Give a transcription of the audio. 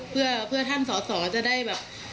เพื่อท่านสอสอจะได้แบบ